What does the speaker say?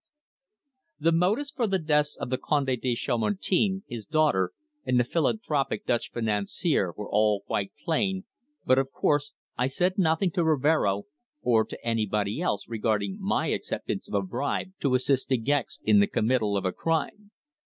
The motives for the deaths of the Conde de Chamartin, his daughter, and the philanthropic Dutch financier, were all quite plain, but, of course, I had said nothing to Rivero, or to anybody else, regarding my acceptance of a bribe to assist De Gex in the committal of a crime.